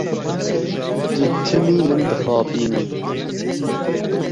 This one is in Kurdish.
Tu timî min dixapînî.